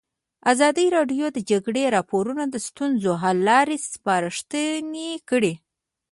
ازادي راډیو د د جګړې راپورونه د ستونزو حل لارې سپارښتنې کړي.